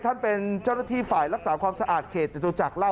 ท่านเป็นเจ้าหน้าที่ฝ่ายรักษาความสะอาดเขตจตุจักรไล่